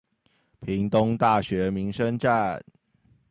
屏東大學民生站